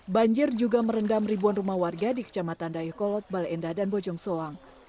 banjir juga merendam ribuan rumah warga di kecamatan dayakolot baleendah dan bojong soang